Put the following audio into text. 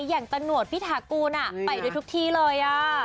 อย่างตะหนวดพิธากูลไปด้วยทุกที่เลย